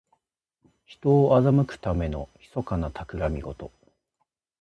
人を欺くためのひそかなたくらみごと。